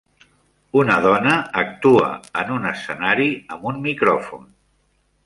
una dona actua en un escenari amb un micròfon.